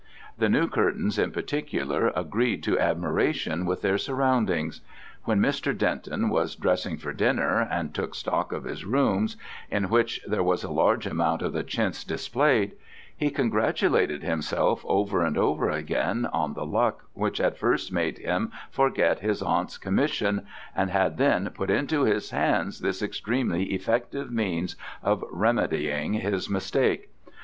The new curtains, in particular, agreed to admiration with their surroundings. When Mr. Denton was dressing for dinner, and took stock of his room, in which there was a large amount of the chintz displayed, he congratulated himself over and over again on the luck which had first made him forget his aunt's commission and had then put into his hands this extremely effective means of remedying his mistake.